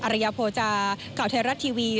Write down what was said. อรัยะโพจาเก่าไทยรัฐทีวี